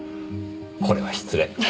これは失礼。